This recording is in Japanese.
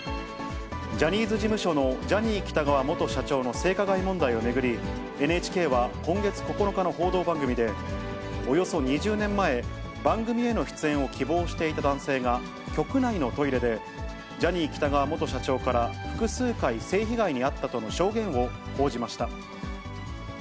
ジャニーズ事務所のジャニー喜多川元社長の性加害問題を巡り、ＮＨＫは今月９日の報道番組で、およそ２０年前、番組への出演を希望していた男性が局内のトイレで、ジャニー喜多川元社長から複数回、性被害に遭ったとの証言を報じました。